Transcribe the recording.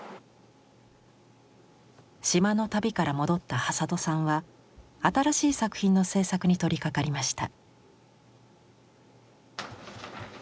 島の旅から戻った挾土さんは新しい作品の制作に取りかかりました。